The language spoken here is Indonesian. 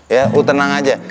ya lu tenang aja